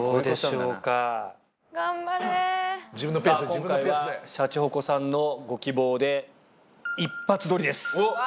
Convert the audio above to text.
今回はシャチホコさんのご希望で一発撮りです。